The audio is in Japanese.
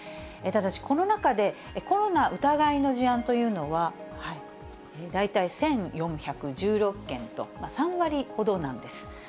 ただしこの中で、コロナ疑いの事案というのは、大体１４１６件と、３割ほどなんです。